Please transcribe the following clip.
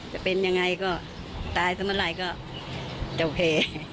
จะเป็นยังไงก็ตายซะเมื่อไหร่ก็จะโอเค